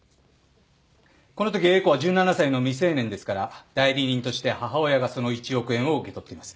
この時英子は１７歳の未成年ですから代理人として母親がその１億円を受け取っています。